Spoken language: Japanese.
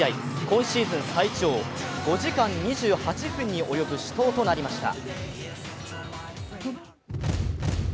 今シーズン最長５時間２８分に及ぶ死闘となりました。